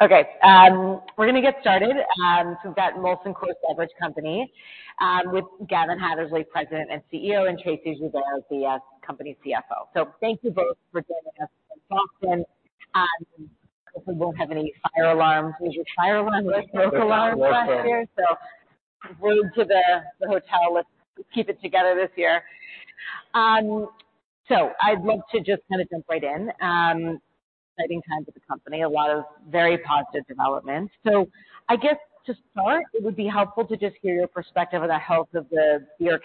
Okay, we're gonna get started. So we've got Molson Coors Beverage Company, with Gavin Hattersley, President and CEO, and Tracey Joubert, the company CFO. So thank you both for joining us from Boston. We won't have any fire alarms. There was a fire alarm or smoke alarm last year. So road to the hotel. Let's keep it together this year. So I'd love to just kind of jump right in. Exciting times at the company, a lot of very positive developments. So I guess, to start, it would be helpful to just hear your perspective on the health of the US beer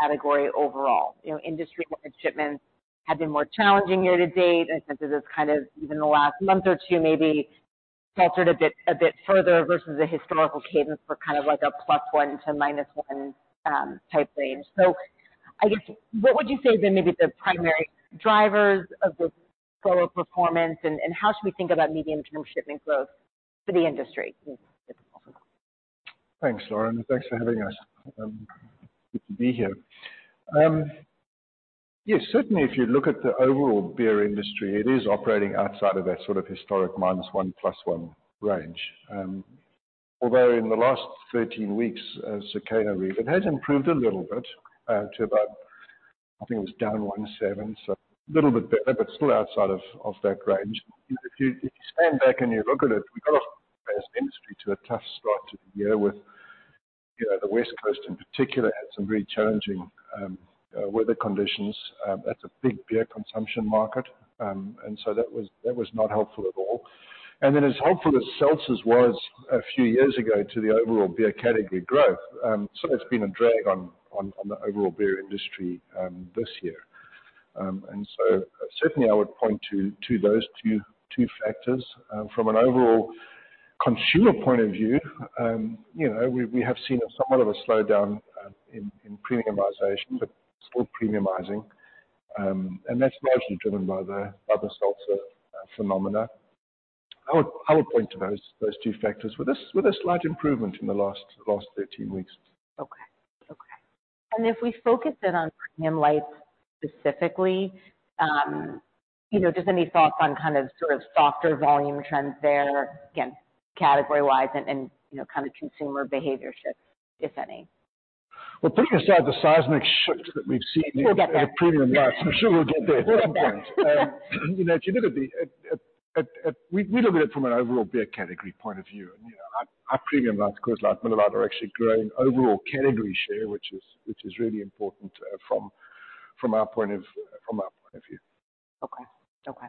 category overall. You know, industry-wide shipments have been more challenging year to date, and since it is kind of even the last month or two, maybe faltered a bit, a bit further versus the historical cadence for kind of like a +1 to -1 type range. So I guess, what would you say are maybe the primary drivers of the slower performance, and how should we think about medium-term shipping growth for the industry? Thanks, Lauren. Thanks for having us. Good to be here. Yes, certainly, if you look at the overall beer industry, it is operating outside of that sort of historic -1 plus +1 range. Although in the last 13 weeks, as Circana read, it has improved a little bit to about I think it was down 1.7, so a little bit better, but still outside of that range. If you stand back and you look at it, we got off as an industry to a tough start to the year with, you know, the West Coast in particular had some very challenging weather conditions. That's a big beer consumption market. And so that was not helpful at all. And then as helpful as seltzers was a few years ago to the overall beer category growth, so it's been a drag on the overall beer industry this year. And so certainly I would point to those two factors from an overall consumer point of view. You know, we have seen somewhat of a slowdown in premiumization, but still premiumizing. And that's largely driven by the seltzer phenomena. I would point to those two factors with a slight improvement in the last 13 weeks. Okay. Okay. And if we focus then on Premium Light, specifically, you know, just any thoughts on kind of sort of softer volume trends there, again, category-wise and, you know, kind of consumer behavior shifts, if any? Well, putting aside the seismic shifts that we've seen- We'll get there. in premium light. I'm sure we'll get there at some point. You know, if you look at the at—we look at it from an overall beer category point of view, and, you know, our premium lights, Coors Light, Miller Lite, are actually growing overall category share, which is really important from our point of view. Okay. Okay.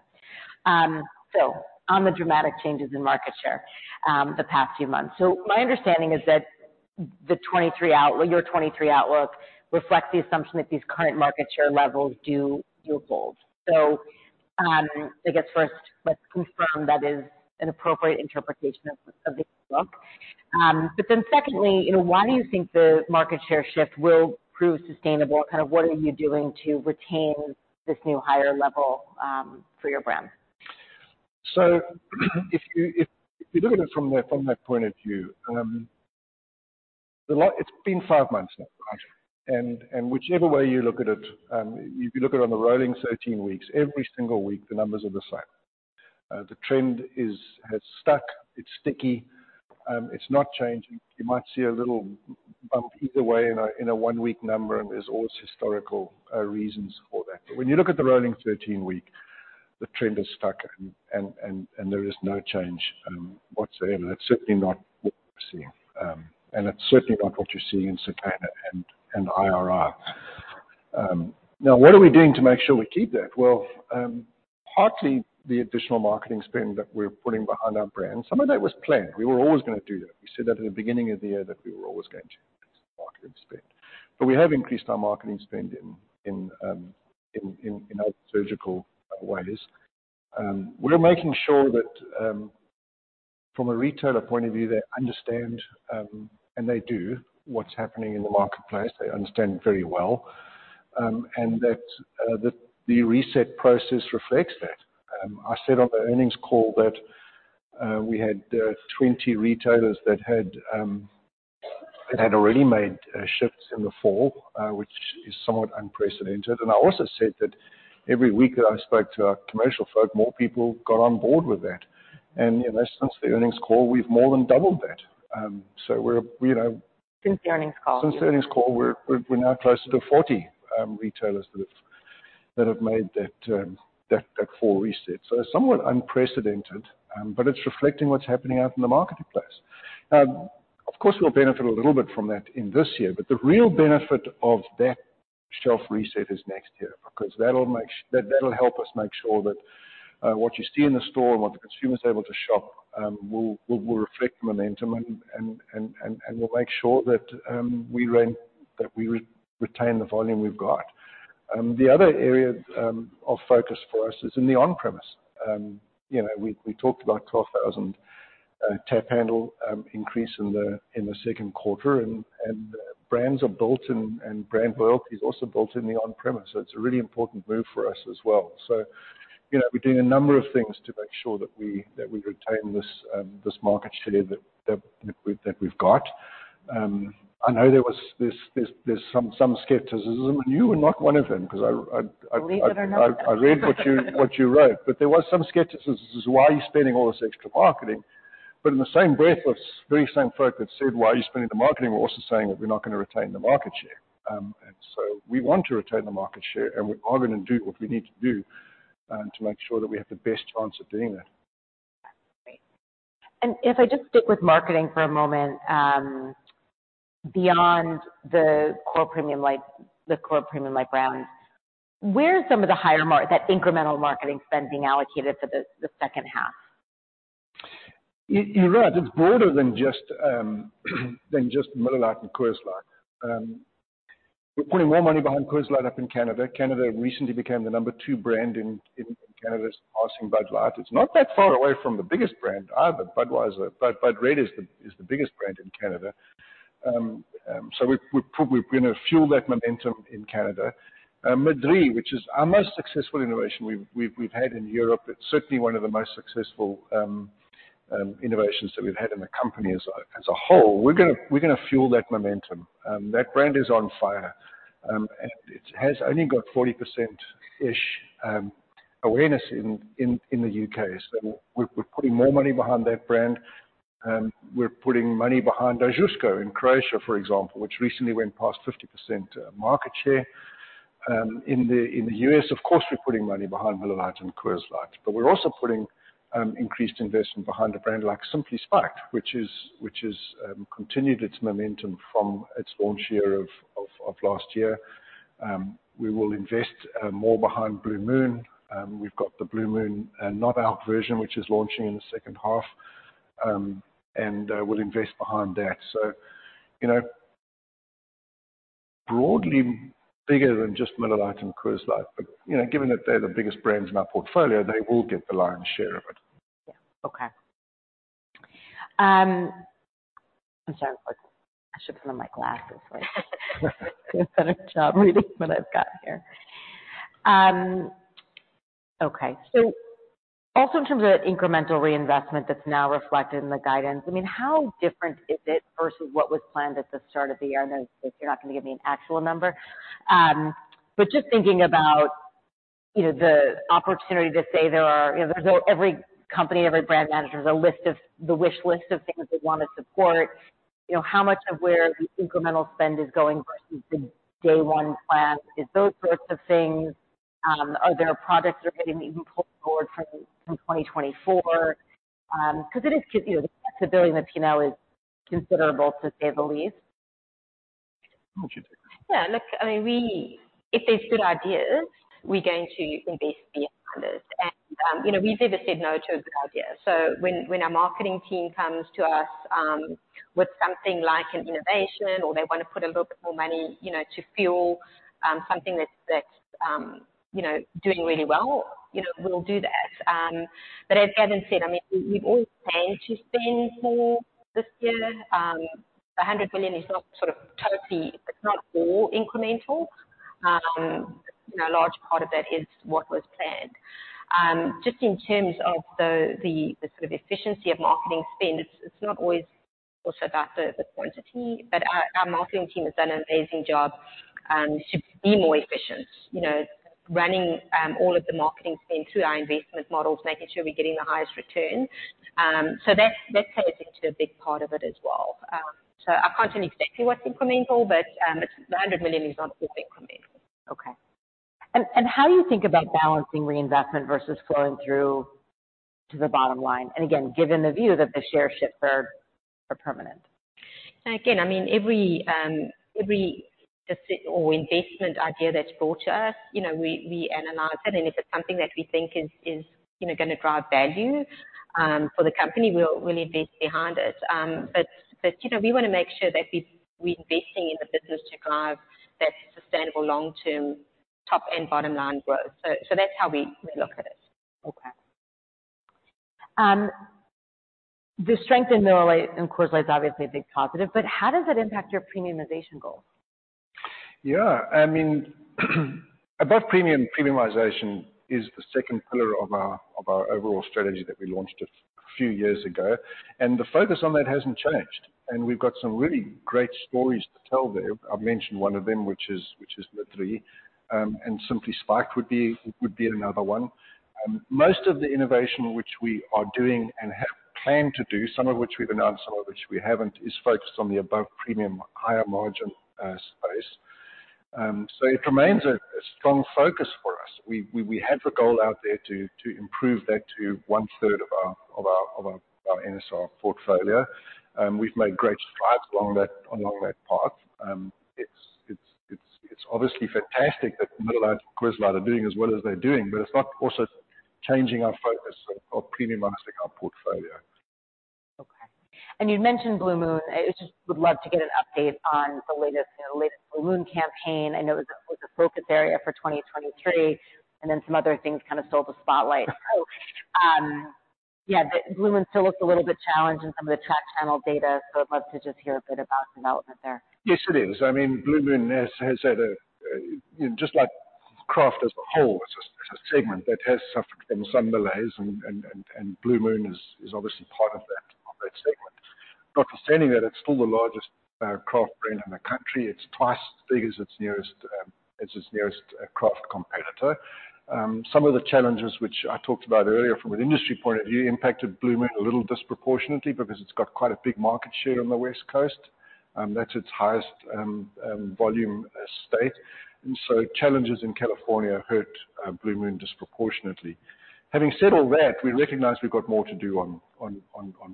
So on the dramatic changes in market share the past few months. So my understanding is that your 23 outlook reflects the assumption that these current market share levels do hold. So, I guess first, let's confirm that is an appropriate interpretation of the look. But then secondly, you know, why do you think the market share shift will prove sustainable? Kind of, what are you doing to retain this new higher level for your brand? So if you look at it from that point of view, it's been five months now, right? And whichever way you look at it, if you look at it on the rolling 13 weeks, every single week, the numbers are the same. The trend has stuck, it's sticky, it's not changing. You might see a little bump either way in a 1-week number, and there's always historical reasons for that. But when you look at the rolling 13-week, the trend is stuck and there is no change whatsoever. That's certainly not what we're seeing. And it's certainly not what you're seeing in Circana and IRI. Now, what are we doing to make sure we keep that? Well, partly the additional marketing spend that we're putting behind our brand. Some of that was planned. We were always gonna do that. We said that at the beginning of the year, that we were always going to increase marketing spend, but we have increased our marketing spend in surgical ways. We're making sure that, from a retailer point of view, they understand, and they do, what's happening in the marketplace. They understand very well, and that the reset process reflects that. I said on the earnings call that we had 20 retailers that had already made shifts in the fall, which is somewhat unprecedented. And I also said that every week that I spoke to our commercial folk, more people got on board with that. You know, since the earnings call, we've more than doubled that. So we're, you know- Since the earnings call? Since the earnings call, we're now closer to 40 retailers that have made that full reset. So it's somewhat unprecedented, but it's reflecting what's happening out in the marketplace. Of course, we'll benefit a little bit from that in this year, but the real benefit of that shelf reset is next year, because that'll make, that'll help us make sure that what you see in the store and what the consumer is able to shop will reflect momentum and will make sure that we retain the volume we've got. The other area of focus for us is in the on-premise. You know, we talked about 12,000 tap handle increase in the second quarter and brands are built and brand loyalty is also built in the on-premise. So it's a really important move for us as well. So, you know, we're doing a number of things to make sure that we retain this market share that we've got. I know there was this, there's some skepticism, and you were not one of them because I- Believe it or not. I read what you wrote, but there was some skepticism. Why are you spending all this extra marketing? But in the same breath of the very same folk that said, "Why are you spending the marketing?" We're also saying that we're not gonna retain the market share. And so we want to retain the market share, and we are gonna do what we need to do to make sure that we have the best chance of doing that. Great. If I just stick with marketing for a moment, beyond the core premium light brands, where is some of that incremental marketing spend being allocated for the second half? You're right. It's broader than just, than just Miller Lite and Coors Light. We're putting more money behind Coors Light up in Canada. Coors Light recently became the number two brand in Canada, passing Bud Light. It's not that far away from the biggest brand either. Budweiser... Bud, Bud Red is the biggest brand in Canada. So we're gonna fuel that momentum in Canada. Madrí Excepcional, which is our most successful innovation we've had in Europe. It's certainly one of the most successful innovations that we've had in the company as a whole. We're gonna fuel that momentum. That brand is on fire. And it has only got 40%-ish awareness in the U.K. We're putting more money behind that brand, and we're putting money behind Ožujsko in Croatia, for example, which recently went past 50% market share. In the U.S., of course, we're putting money behind Miller Lite and Coors Light, but we're also putting increased investment behind a brand like Simply Spiked, which continued its momentum from its launch year of last year. We will invest more behind Blue Moon. We've got the Blue Moon non-alcoholic version, which is launching in the second half, and we'll invest behind that. So, you know, broadly bigger than just Miller Lite and Coors Light. But, you know, given that they're the biggest brands in our portfolio, they will get the lion's share of it. Yeah. Okay. I'm sorry, I should put on my glasses so I do a better job reading what I've got here. Okay. So also in terms of incremental reinvestment, that's now reflected in the guidance. I mean, how different is it versus what was planned at the start of the year? I know if you're not gonna give me an actual number, but just thinking about, you know, the opportunity to say there are. You know, there's every company, every brand manager, there's a list of the wish list of things they wanna support. You know, how much of where the incremental spend is going versus the day one plan? Is those sorts of things, are there products you're getting even pulled forward from 2024? Because it is, you know, the flexibility with you now is considerable, to say the least. Why don't you take that? Yeah, look, I mean, we, if there's good ideas, we're going to invest behind it. And, you know, we've never said no to a good idea. So when our marketing team comes to us with something like an innovation or they want to put a little bit more money, you know, to fuel something that's doing really well, you know, we'll do that. But as Gavin said, I mean, we, we've always planned to spend for this year. $100 million is not sort of totally, it's not all incremental. You know, a large part of that is what was planned. Just in terms of the sort of efficiency of marketing spend, it's not always also about the quantity, but our marketing team has done an amazing job to be more efficient. You know, running all of the marketing spend through our investment models, making sure we're getting the highest return. So that, that plays into a big part of it as well. So I can't tell you exactly what's incremental, but the $100 million is not all incremental. Okay. And how do you think about balancing reinvestment versus flowing through to the bottom line? And again, given the view that the share shifts are permanent. Again, I mean, every, every debt or investment idea that's brought to us, you know, we, we analyze it, and if it's something that we think is, is, you know, gonna drive value, for the company, we'll, we'll invest behind it. But, but, you know, we wanna make sure that we're, we're investing in the business to drive that sustainable long-term, top and bottom line growth. So, so that's how we, we look at it. Okay. The strength in Miller Lite and Coors Light is obviously a big positive, but how does it impact your premiumization goals? Yeah, I mean, above premium, premiumization is the second pillar of our overall strategy that we launched a few years ago, and the focus on that hasn't changed, and we've got some really great stories to tell there. I've mentioned one of them, which is Madrí Excepcional, and Simply Spiked would be another one. Most of the innovation which we are doing and have planned to do, some of which we've announced, some of which we haven't, is focused on the above-premium, higher margin space. So it remains a strong focus for us. We had the goal out there to improve that to one third of our NSR portfolio. We've made great strides along that path. It's obviously fantastic that Miller Lite and Coors Light are doing as well as they're doing, but it's not also changing our focus of premiumizing our portfolio. Okay. And you'd mentioned Blue Moon. I just would love to get an update on the latest, you know, latest Blue Moon campaign. I know it was a focus area for 2023, and then some other things kind of stole the spotlight. Yeah, the Blue Moon still looks a little bit challenged in some of the tracked channel data, so I'd love to just hear a bit about the development there. Yes, it is. I mean, Blue Moon has had. Just like craft as a whole, it's a segment that has suffered from some delays, and Blue Moon is obviously part of that segment. Notwithstanding that, it's still the largest craft brand in the country. It's twice as big as its nearest craft competitor. Some of the challenges which I talked about earlier from an industry point of view impacted Blue Moon a little disproportionately because it's got quite a big market share on the West Coast, that's its highest volume state. And so challenges in California hurt Blue Moon disproportionately. Having said all that, we recognize we've got more to do on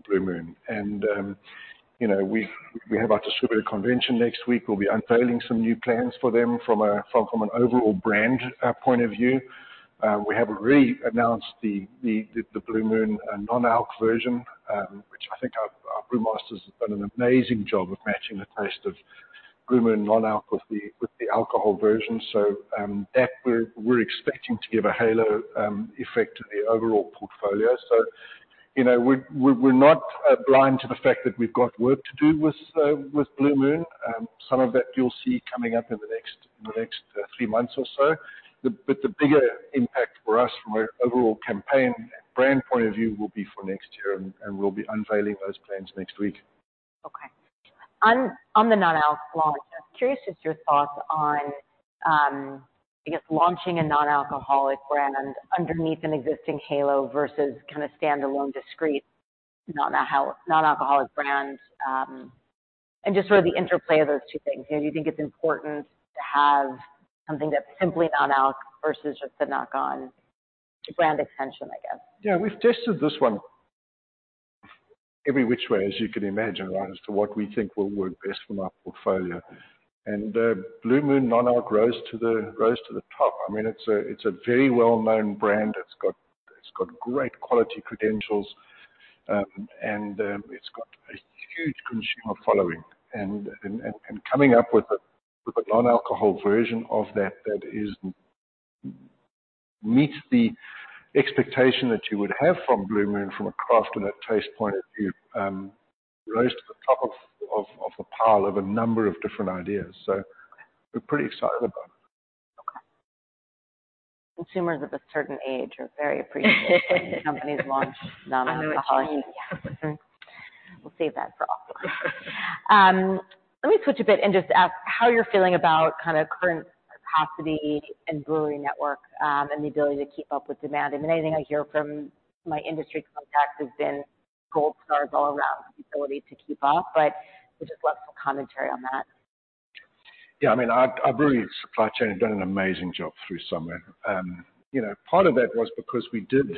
Blue Moon. You know, we have our distributor convention next week. We'll be unveiling some new plans for them from an overall brand point of view. We have already announced the Blue Moon non-alc version, which I think our brewmasters have done an amazing job of matching the taste of Blue Moon non-alc with the alcohol version. So, we're not blind to the fact that we've got work to do with Blue Moon. Some of that you'll see coming up in the next three months or so. But the bigger impact for us from a overall campaign and brand point of view will be for next year, and we'll be unveiling those plans next week. Okay. On the non-alc launch, I'm curious just your thoughts on launching a non-alcoholic brand underneath an existing halo versus kind of standalone, discrete, non-alcoholic brand. And just sort of the interplay of those two things. You know, do you think it's important to have something that's simply non-alc versus just the knock-on to brand extension, I guess? Yeah, we've tested this one every which way, as you can imagine, right? As to what we think will work best for our portfolio. And Blue Moon non-alc rose to the top. I mean, it's a very well-known brand. It's got great quality credentials, and it's got a huge consumer following. And coming up with a non-alcohol version of that that meets the expectation that you would have from Blue Moon, from a craft and a taste point of view, rose to the top of a pile of a number of different ideas. So we're pretty excited about it. Okay. Consumers of a certain age are very appreciative when companies launch non-alcoholic. I know, it's true. We'll save that for all. Let me switch a bit and just ask how you're feeling about kind of current capacity and brewery network, and the ability to keep up with demand? I mean, anything I hear from my industry contacts has been gold stars all around the ability to keep up, but we'd just love some commentary on that. Yeah, I mean, our brewery supply chain has done an amazing job through summer. You know, part of that was because we did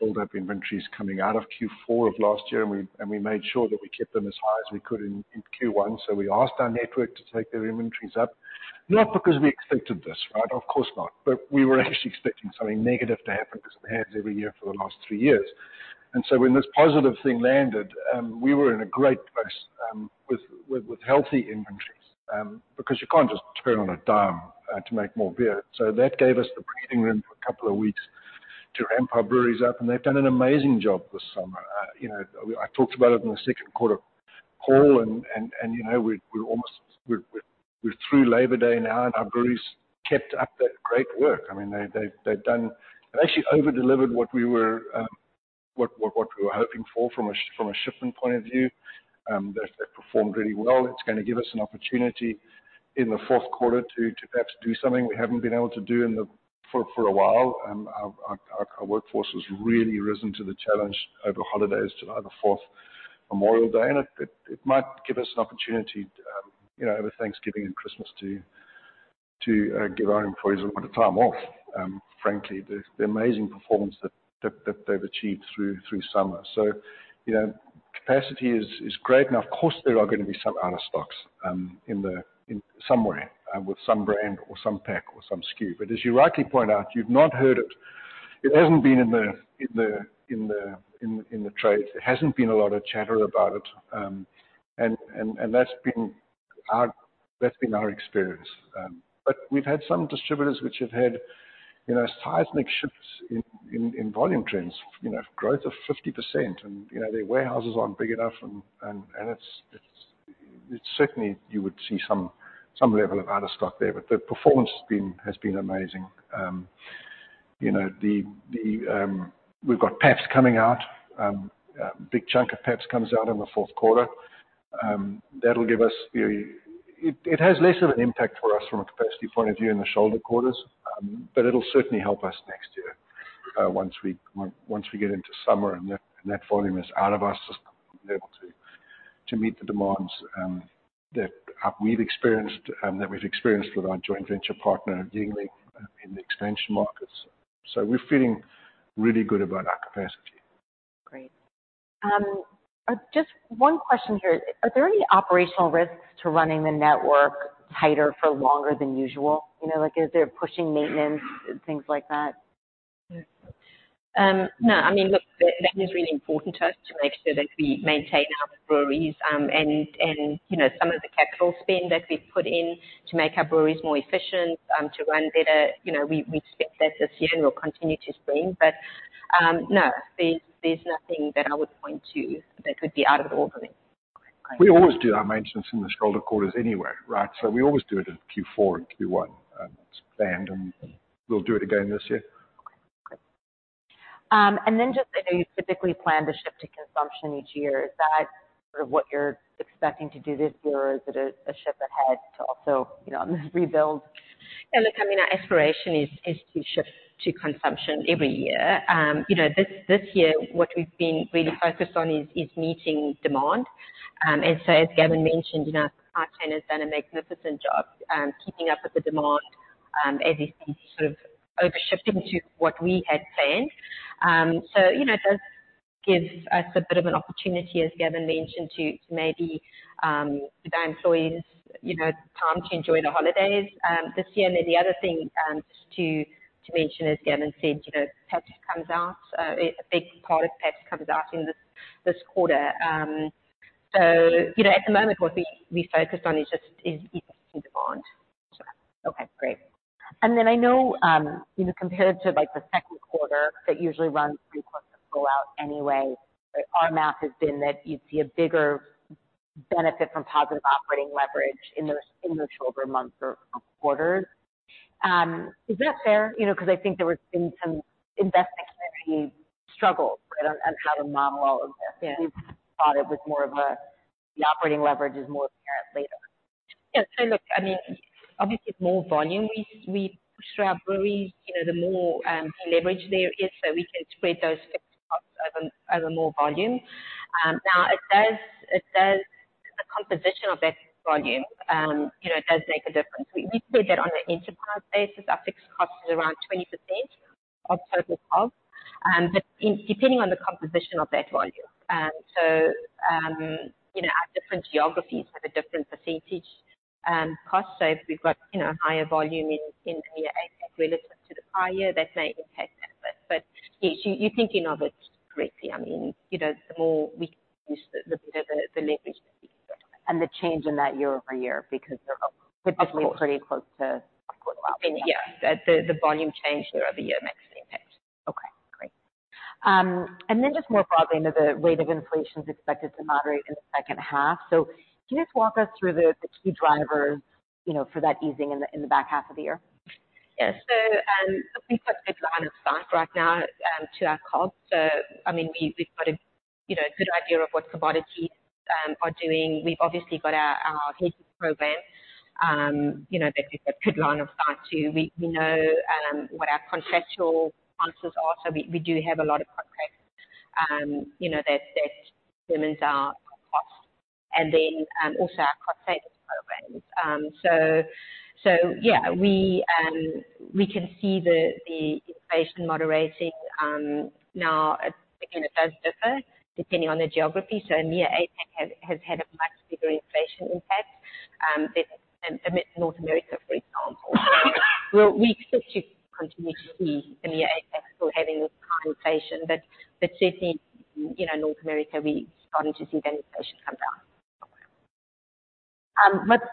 build up inventories coming out of Q4 of last year, and we made sure that we kept them as high as we could in Q1. So we asked our network to take their inventories up, not because we expected this, right? Of course not. But we were actually expecting something negative to happen, because it has every year for the last three years. And so when this positive thing landed, we were in a great place, with healthy inventories. Because you can't just turn on a dime to make more beer. So that gave us the breathing room for a couple of weeks to ramp our breweries up, and they've done an amazing job this summer. You know, I talked about it in the second quarter call, and we're through Labor Day now, and our breweries kept up that great work. I mean, they've done. They actually over-delivered what we were hoping for from a shipment point of view. That they performed really well. It's gonna give us an opportunity in the fourth quarter to perhaps do something we haven't been able to do in a while. Our workforce has really risen to the challenge over holidays, July the Fourth, Memorial Day, and it might give us an opportunity, you know, over Thanksgiving and Christmas to give our employees a bit of time off. Frankly, the amazing performance that they've achieved through summer. So, you know, capacity is great. Now, of course, there are gonna be some out-of-stocks in somewhere with some brand or some pack or some SKU. But as you rightly point out, you've not heard it. It hasn't been in the trade. There hasn't been a lot of chatter about it. And that's been our experience. But we've had some distributors which have had, you know, seismic shifts in volume trends, you know, growth of 50% and, you know, their warehouses aren't big enough and it's certainly you would see some level of out-of-stock there, but the performance has been amazing. You know, the, we've got Pabst coming out. A big chunk of Pabst comes out in the fourth quarter. That'll give us the... It has less of an impact for us from a capacity point of view in the shoulder quarters, but it'll certainly help us next year, once we get into summer and that volume is out of us, able to meet the demands that we've experienced with our joint venture partner, Yuengling, in the expansion markets. So we're feeling really good about our capacity. Great. Just one question here. Are there any operational risks to running the network tighter for longer than usual? You know, like, is there pushing maintenance and things like that? No. I mean, look, that is really important to us to make sure that we maintain our breweries. And you know, some of the capital spend that we've put in to make our breweries more efficient, to run better, you know, we expect that this year and will continue to spend. But no, there's nothing that I would point to that would be out of the ordinary.... We always do our maintenance in the stronger quarters anyway, right? So we always do it in Q4 and Q1. It's planned, and we'll do it again this year. Okay, great. And then, just, I know you typically plan to ship to consumption each year. Is that sort of what you're expecting to do this year, or is it a ship ahead to also, you know, rebuild? Yeah, look, I mean, our aspiration is to shift to consumption every year. You know, this year, what we've been really focused on is meeting demand. And so as Gavin mentioned, you know, our chain has done a magnificent job keeping up with the demand as it's sort of overshifting to what we had planned. So you know, it does give us a bit of an opportunity, as Gavin mentioned, to maybe give our employees, you know, time to enjoy the holidays this year. And then the other thing, just to mention, as Gavin said, you know, Pepsi comes out. A big part of Pepsi comes out in this quarter. So, you know, at the moment, what we focus on is just meeting demand. Sure. Okay, great. And then I know, you know, compared to, like, the second quarter, that usually runs pretty close to go out anyway. But our math has been that you'd see a bigger benefit from positive operating leverage in those, in those shoulder months or, or quarters. Is that fair? You know, 'cause I think there were been some investment community struggles, right, on, on how to model all of this. Yeah. We thought it was more of the operating leverage is more apparent later. Yeah. So look, I mean, obviously, it's more volume. We push strawberry, you know, the more leverage there is, so we can spread those fixed costs over more volume. Now, it does the composition of that volume. You know, it does make a difference. We said that on an enterprise basis, our fixed cost is around 20% of total cost, but depending on the composition of that volume. So you know, our different geographies have a different percentage cost. So if we've got higher volume in the APAC relative to the prior year, that may impact that. But yes, you're thinking of it correctly. I mean, you know, the more we use, the better the leverage that we get. The change in that year-over-year, because- Of course. Typically pretty close to- Yes. The volume change year-over-year makes an impact. Okay, great. And then just more broadly, you know, the rate of inflation is expected to moderate in the second half. So can you just walk us through the key drivers, you know, for that easing in the back half of the year? Yes. So, we've got a good line of sight right now to our cost. So, I mean, we, we've got a, you know, a good idea of what commodities are doing. We've obviously got our, our hedge program, you know, that is a good line of sight, too. We, we know what our contractual sponsors are. So we, we do have a lot of contracts, you know, that, that limits our costs and then also our cost savings programs. So, so yeah, we, we can see the, the inflation moderating. Now, again, it does differ depending on the geography. So EMEA, APAC has, has had a much bigger inflation impact than North America, for example. We expect to continue to see EMEA, APAC still having this inflation, but certainly, you know, North America, we're starting to see that inflation come down. Let's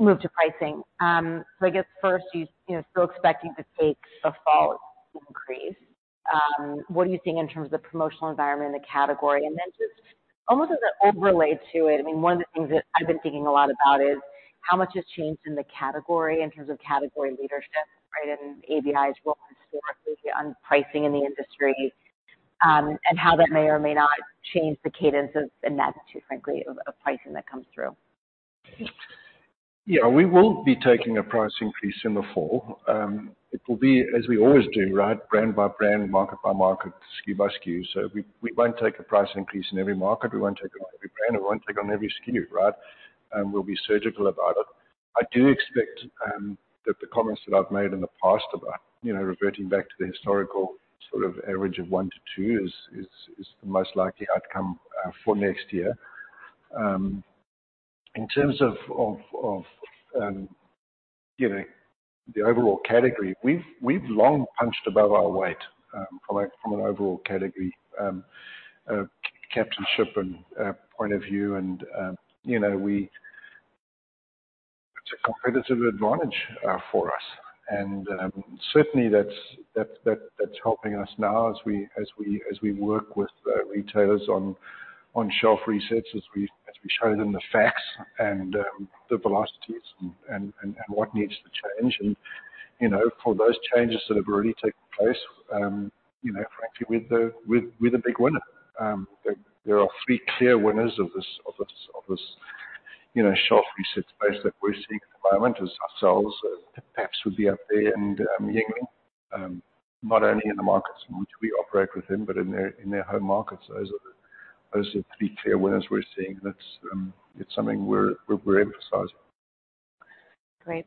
move on to pricing. So I guess first, you know, still expecting to take a fall increase. What are you seeing in terms of the promotional environment in the category? And then just almost as an overlay to it, I mean, one of the things that I've been thinking a lot about is: how much has changed in the category in terms of category leadership, right? And ABI's role historically on pricing in the industry, and how that may or may not change the cadence of, and that too, frankly, of pricing that comes through. Yeah, we will be taking a price increase in the fall. It will be, as we always do, right, brand by brand, market by market, SKU by SKU. So we won't take a price increase in every market. We won't take it on every brand, and we won't take on every SKU, right? We'll be surgical about it. I do expect that the comments that I've made in the past about, you know, reverting back to the historical sort of average of 1-2 is the most likely outcome for next year. In terms of you know, the overall category, we've long punched above our weight from an overall category captaincy and point of view, and you know, we... It's a competitive advantage for us. Certainly that's helping us now as we work with retailers on on-shelf resets, as we show them the facts and the velocities and what needs to change. You know, for those changes that have already taken place, you know, frankly, we're the big winner. There are three clear winners of this shelf reset space that we're seeing at the moment: ourselves, Pepsi, and Yuengling, not only in the markets in which we operate with them, but in their home markets. Those are the three clear winners we're seeing. That's something we're emphasizing. Great.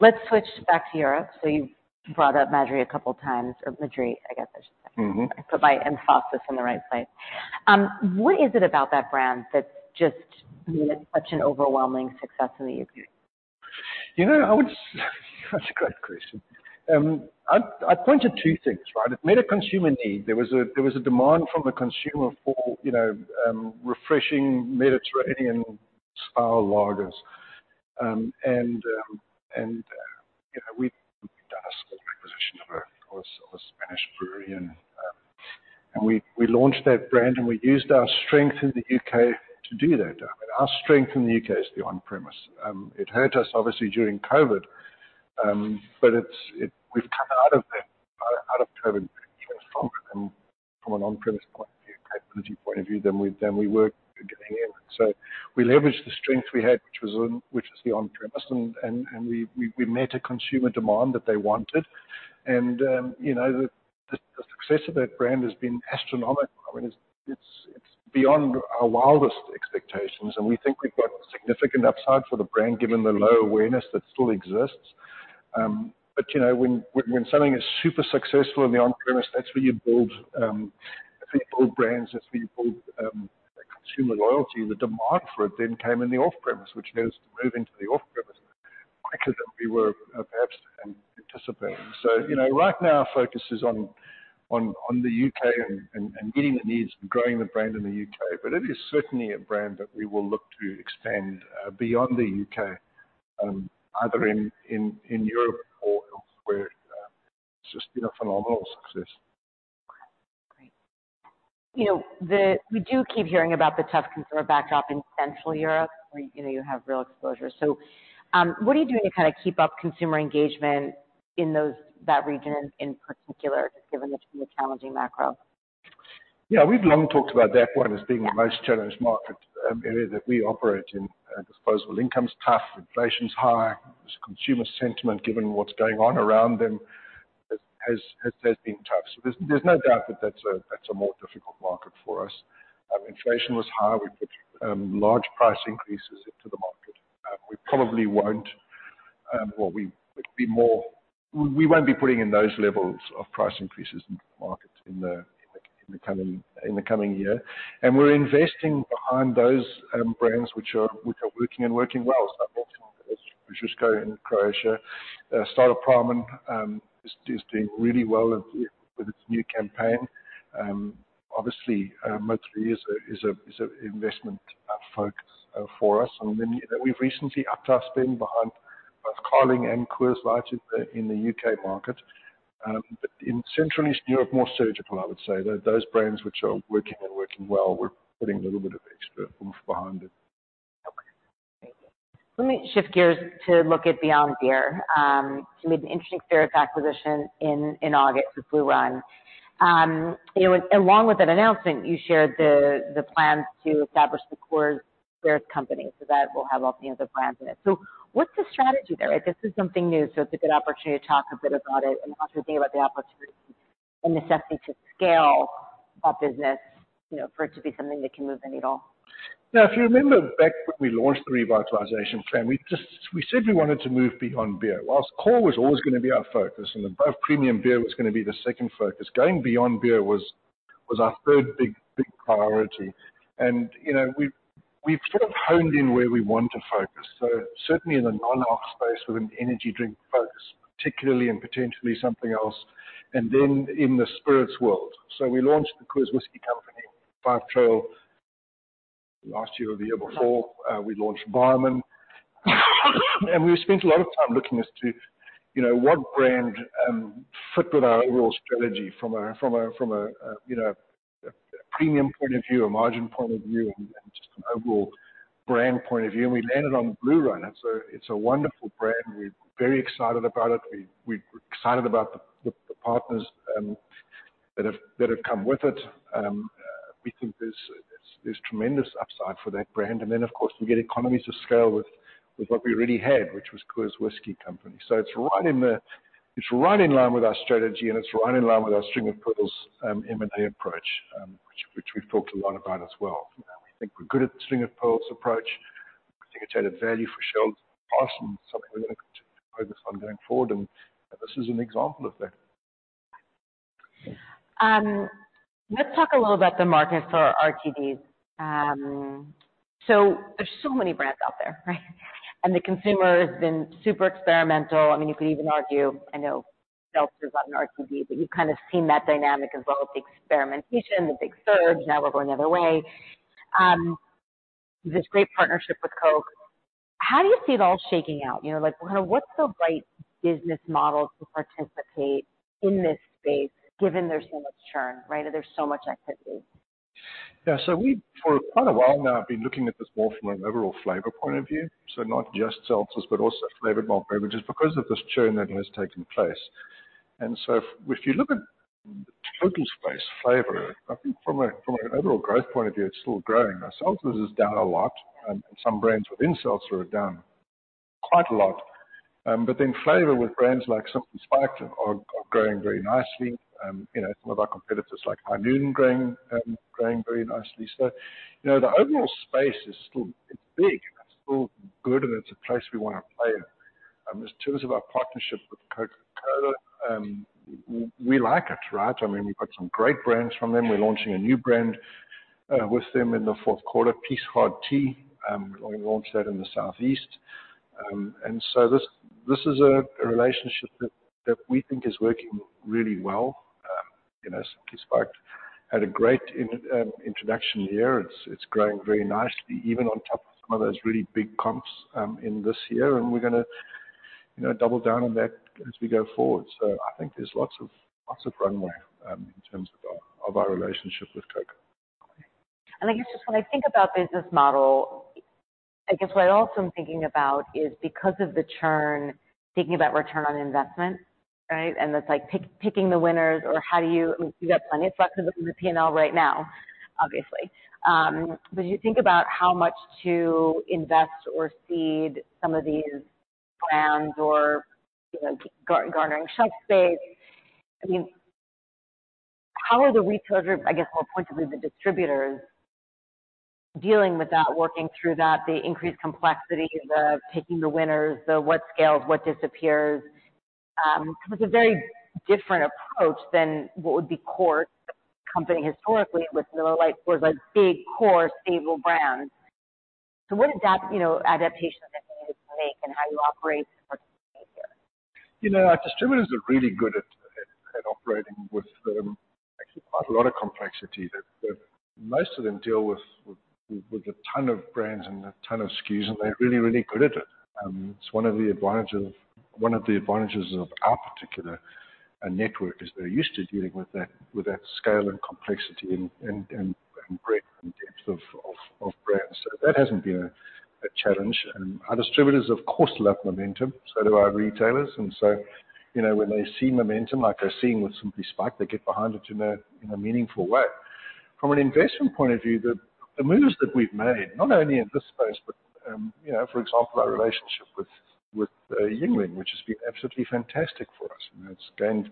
Let's switch back to Europe. So you've brought up Madrí a couple of times, or Madrí, I guess I should say. Mm-hmm. Put my emphasis in the right place. What is it about that brand that's just been such an overwhelming success in the E.U? You know, I would. That's a great question. I'd point to two things, right? It met a consumer need. There was a demand from the consumer for, you know, refreshing Mediterranean-style lagers. And you know, we launched that brand, and we used our strength in the U.K. to do that. I mean, our strength in the U.K. is the on-premise. It hurt us obviously during COVID, but we've come out of that, out of COVID even stronger from an on-premise point of view, capability point of view than we were getting in. So we leveraged the strength we had, which was the on-premise, and we met a consumer demand that they wanted. You know, the success of that brand has been astronomical. I mean, it's beyond our wildest expectations, and we think we've got significant upside for the brand, given the low awareness that still exists. But you know, when something is super successful in the on-premise, that's where you build, I think, build brands, that's where you build consumer loyalty. The demand for it then came in the off-premise, which is moving to the off-premise quicker than we were perhaps anticipating. So you know, right now our focus is on the U.K. and meeting the needs and growing the brand in the U.K. But it is certainly a brand that we will look to expand beyond the U.K., either in Europe or elsewhere. It's just been a phenomenal success. Okay, great. You know, we do keep hearing about the tough consumer backdrop in Central Europe, where, you know, you have real exposure. So, what are you doing to kind of keep up consumer engagement in those, that region in particular, given the challenging macro? Yeah, we've long talked about that one as being- Yeah The most challenged market, area that we operate in. Disposable income's tough, inflation's high. There's consumer sentiment, given what's going on around them, has been tough. So there's no doubt that that's a more difficult market for us. Inflation was high. We put large price increases into the market. We probably won't, well, we won't be putting in those levels of price increases in the market in the coming year. And we're investing behind those brands which are working and working well. So I mentioned, Ožujsko in Croatia. Staropramen is doing really well with its new campaign. Obviously, Madrí Excepcional is a investment focus for us. And then we've recently upped our spend behind both Carling and Coors Light in the U.K. market. But in Central and Eastern Europe, more surgical, I would say. Those brands which are working and working well, we're putting a little bit of extra oomph behind it. Okay, great. Let me shift gears to look at beyond beer. You made an interesting spirits acquisition in August with Blue Run. You know, and along with that announcement, you shared the plans to establish the Coors Whiskey Co., so that will have all the other brands in it. So what's the strategy there? This is something new, so it's a good opportunity to talk a bit about it and also think about the opportunity and necessity to scale a business, you know, for it to be something that can move the needle. Now, if you remember back when we launched the revitalization plan, we just, we said we wanted to move beyond beer. While core was always gonna be our focus, and above premium beer was gonna be the second focus, going beyond beer was, was our third big, big priority. And, you know, we've, we've sort of honed in where we want to focus. So certainly in the non-alc space with an energy drink focus, particularly and potentially something else, and then in the spirits world. So we launched the Coors Whiskey Co., Five Trail, last year or the year before. Yeah. We launched Barmen, and we spent a lot of time looking as to, you know, what brand fit with our overall strategy from a premium point of view or margin point of view and just an overall brand point of view, and we landed on Blue Run. It's a wonderful brand. We're very excited about it. We're excited about the partners that have come with it. We think there's tremendous upside for that brand. And then, of course, we get economies of scale with what we already had, which was Coors Whiskey Company. So it's right in line with our strategy, and it's right in line with our string of pearls M&A approach, which we've talked a lot about as well. We think we're good at the string-of-pearls approach. I think it's added value for shareholders, and something we're gonna continue to focus on going forward, and this is an example of that. Let's talk a little about the market for RTDs. So there's so many brands out there, right? And the consumer has been super experimental. I mean, you could even argue, I know seltzers is not an RTD, but you've kind of seen that dynamic as well, the experimentation, the big surge, now we're going the other way. This great partnership with Coke. How do you see it all shaking out? You know, like what's the right business model to participate in this space, given there's so much churn, right, and there's so much activity? Yeah. So we, for quite a while now, have been looking at this more from an overall flavor point of view. So not just seltzers, but also flavored malt beverages, because of this churn that has taken place. And so if you look at the total space flavor, I think from an overall growth point of view, it's still growing. Seltzers is down a lot, and some brands within seltzers are down quite a lot. But then flavor with brands like Simply Spiked are growing very nicely. You know, some of our competitors, like High Noon, growing, growing very nicely. So you know, the overall space is still, it's big, and it's still good, and it's a place we want to play in. In terms of our partnership with Coca-Cola, we like it, right? I mean, we've got some great brands from them. We're launching a new brand with them in the fourth quarter, Peace Hard Tea. We're gonna launch that in the Southeast. And so this, this is a relationship that we think is working really well. You know, Simply Spiked had a great introduction year. It's growing very nicely, even on top of some of those really big comps in this year, and we're gonna double down on that as we go forward. So I think there's lots of runway in terms of our relationship with Coca-Cola. I guess just when I think about business model, I guess what also I'm thinking about is because of the churn, thinking about return on investment, right? And that's like picking the winners or how do you—you've got plenty of flex in the P&L right now, obviously. But you think about how much to invest or seed some of these brands or, you know, garnering shelf space. I mean, how are the retailers, I guess, more pointedly, the distributors, dealing with that, working through that, the increased complexity of picking the winners, the what scales, what disappears? It's a very different approach than what would be core company historically with Miller Lite was like big, core, stable brands. So what adaptations, you know, have you needed to make in how you operate here? You know, our distributors are really good at operating with actually quite a lot of complexity. But most of them deal with a ton of brands and a ton of SKUs, and they're really, really good at it. It's one of the advantages, one of the advantages of our particular network, is they're used to dealing with that scale and complexity and breadth and depth of brands. So that hasn't been a challenge. Our distributors, of course, love momentum, so do our retailers. And so, you know, when they see momentum, like they're seeing with Simply Spiked, they get behind it in a meaningful way. From an investment point of view, the moves that we've made, not only in this space, but you know, for example, our relationship with Yuengling, which has been absolutely fantastic for us. You know, it's gained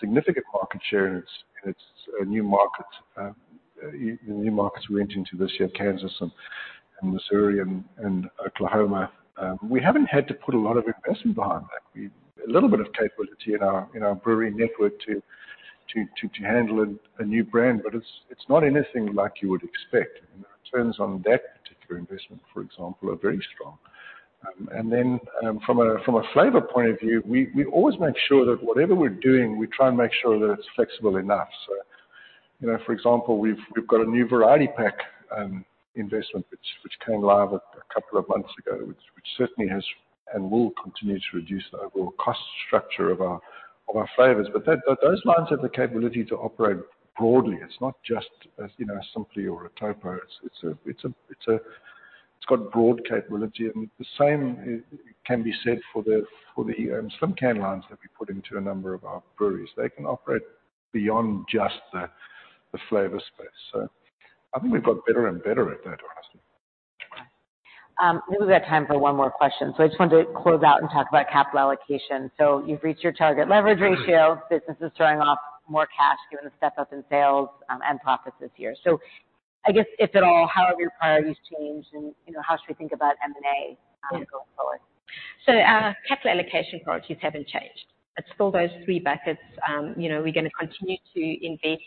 significant market share in its new markets, the new markets we went into this year, Kansas and Missouri and Oklahoma. We haven't had to put a lot of investment behind that. We a little bit of capability in our brewery network to handle a new brand, but it's not anything like you would expect. Returns on that particular investment, for example, are very strong. And then, from a flavor point of view, we always make sure that whatever we're doing, we try and make sure that it's flexible enough. So, you know, for example, we've got a new variety pack investment, which came live a couple of months ago, which certainly has and will continue to reduce the overall cost structure of our flavors. But those lines have the capability to operate broadly. It's not just a, you know, a Simply or a Topo. It's a- it's got broad capability, and the same can be said for the slim can lines that we put into a number of our breweries. They can operate beyond just the flavor space. So I think we've got better and better at that, honestly. We've got time for one more question, so I just wanted to close out and talk about capital allocation. So you've reached your target leverage ratio. Mm-hmm. Business is throwing off more cash, given the step up in sales, and profits this year. I guess, if at all, how have your priorities changed, and, you know, how should we think about M&A, going forward? So, our capital allocation priorities haven't changed. It's still those three buckets. You know, we're gonna continue to invest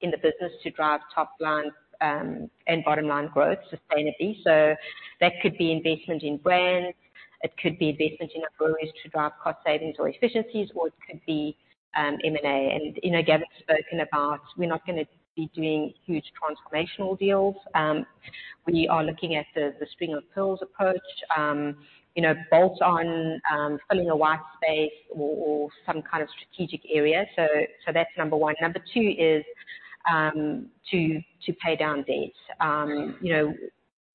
in the business to drive top line, and bottom line growth sustainably. So that could be investment in brands, it could be investment in our breweries to drive cost savings or efficiencies, or it could be, M&A. And, you know, Gavin spoken about, we're not gonna be doing huge transformational deals. We are looking at the string of pearls approach, you know, bolt on, filling a white space or some kind of strategic area. So that's number one. Number two is to pay down debt. You know,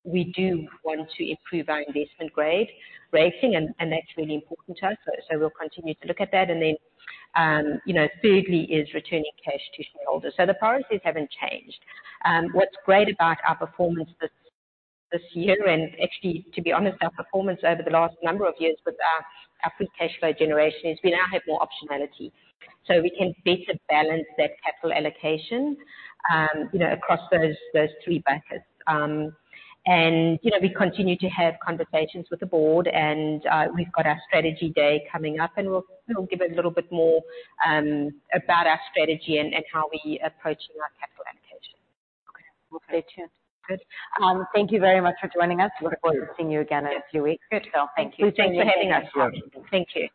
we do want to improve our investment grade rating, and that's really important to us. So we'll continue to look at that. And then, you know, thirdly is returning cash to shareholders. So the priorities haven't changed. What's great about our performance this year, and actually, to be honest, our performance over the last number of years with our free cash flow generation, is we now have more optionality, so we can better balance that capital allocation, you know, across those three buckets. And, you know, we continue to have conversations with the board, and we've got our strategy day coming up, and we'll give a little bit more about our strategy and how we're approaching our capital allocation. Okay. We'll stay tuned. Good. Thank you very much for joining us. Thank you. Look forward to seeing you again in a few weeks. Good. Thank you. Thanks for having us. Sure. Thank you.